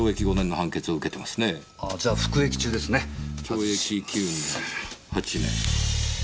懲役９年８年。